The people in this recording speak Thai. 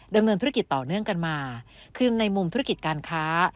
ดำเนินธุรกิจต่อเนื่องกันมาคือในมุมธุรกิจการค้า